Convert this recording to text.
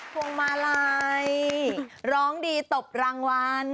พวงมาลัยร้องดีตบรางวัล